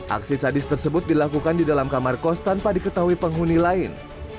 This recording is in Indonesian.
aksi sadis tersebut dilakukan di dalam kamar kos tanpa diketahui penghuni lain